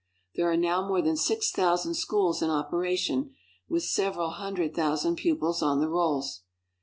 There are now more than six thousand schools in opera tion, with several hundred thousand pupils on the rolls.